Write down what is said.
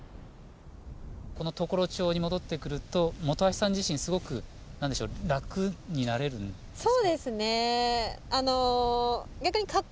この常呂町に戻ってくると本橋さん自身すごく楽になれるんですか？